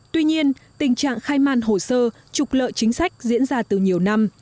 tuy nhiên tình trạng khai man hồ sơ trục lợi chính sách diễn ra từ nhiều năm